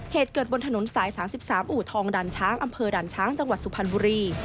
เหตุเกิดบนถนนสาย๓๓อู่ทองด่านช้างอำเภอด่านช้างจังหวัดสุพรรณบุรี